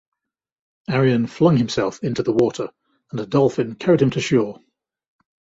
Arion flung himself into the water, and a dolphin carried him to shore.